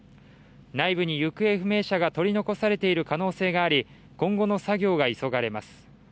内部に行方不明者が取り残されている可能性があり今後の作業が急がれます。